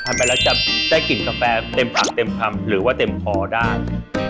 ทำไปแล้วจะได้กลิ่นกาแฟเต็มปากเต็มคำหรือว่าเต็มคอได้